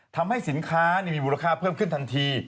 ทำให้สินค้ามีมูลค่าเพิ่มขึ้นทันที